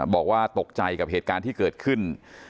บอกว่าตกใจกับเหตุการณ์ที่เกิดขึ้น